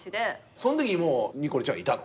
そんときもうニコルちゃんはいたの？